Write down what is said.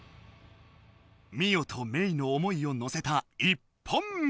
ミオとメイの思いをのせた１本目。